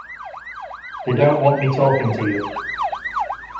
They don't want me talking to you.